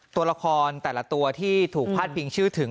ตัวละครแต่ละตัวที่ถูกพาดพิงชื่อถึง